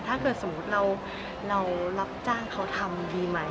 ถ้าเกิดสมมุติเรารับจ้างเขาทำดีใหม่